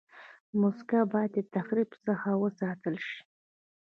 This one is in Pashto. مځکه باید د تخریب څخه وساتل شي.